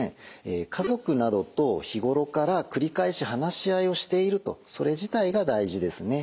家族などと日頃から繰り返し話し合いをしているとそれ自体が大事ですね。